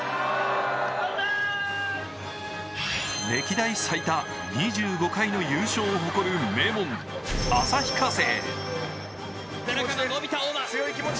歴代最多２５回の優勝を誇る名門、旭化成。